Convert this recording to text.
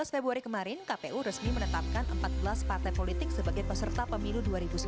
tujuh belas februari kemarin kpu resmi menetapkan empat belas partai politik sebagai peserta pemilu dua ribu sembilan belas